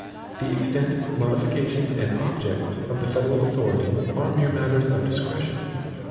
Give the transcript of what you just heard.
The extent, modifications, and objects of the federal authority are mere matters of discretion.